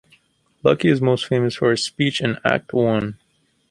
Lucky is most famous for his speech in Act One.